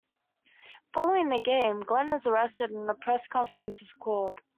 Following the game, Glen is arrested and a press conference is called.